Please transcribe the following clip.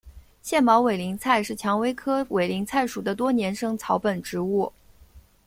腺毛委陵菜是蔷薇科委陵菜属的多年生草本植物。